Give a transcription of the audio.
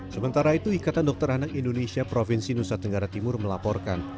sementara itu ikatan dokter anak indonesia provinsi nusa tenggara timur melaporkan